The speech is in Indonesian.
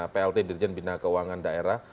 plt dirjen bina keuangan daerah